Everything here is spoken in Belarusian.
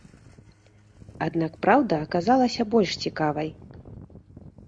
Аднак праўда аказалася больш цікавай.